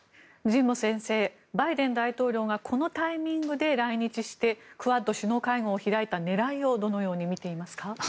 神保先生バイデン大統領がこのタイミングで来日してクアッド首脳会合を開いた狙いをどのように見ていますか？